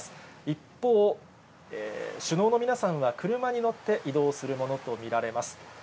一方、首脳の皆さんは車に乗って移動するものと見られます。